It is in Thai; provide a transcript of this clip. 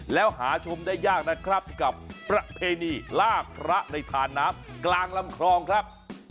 แล้วหาชมได้ยากนะครับกับประเพณีลากพระในทานน้ำกลางลำคลองครับ